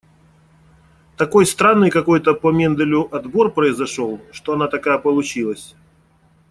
Такой странный какой-то по Менделю отбор произошёл, что она такая получилась.